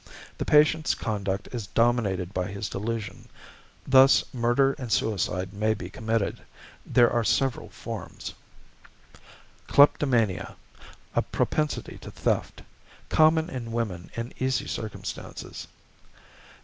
The patient's conduct is dominated by his delusion; thus murder and suicide may be committed. There are several forms: Kleptomania, a propensity to theft; common in women in easy circumstances.